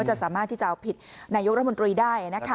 จะสามารถที่จะเอาผิดนายกรัฐมนตรีได้นะคะ